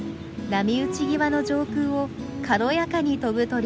波打ち際の上空を軽やかに飛ぶ鳥がいます。